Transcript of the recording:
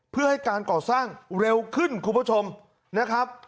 เพื่อให้การก่อสร้างเร็วขึ้นคุณผู้ชมนะครับ